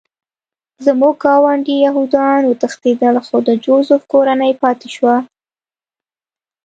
زموږ ګاونډي یهودان وتښتېدل خو د جوزف کورنۍ پاتې شوه